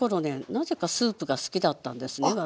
なぜかスープが好きだったんですね私。